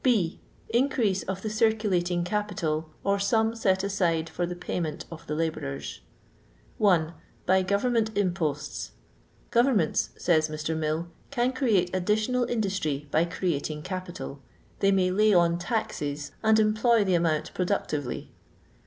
B. Increase pf the circulating capital, or sum set atide for the payment qf the labourers. 1. By government imposts. " Qovemments," says Mr. Mill, "can create additional in dustry by creating capital. They may hiy on taxes, and employ the amount pro ductively."